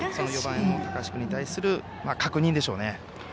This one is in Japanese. ４番の高橋君に対する確認でしょうね。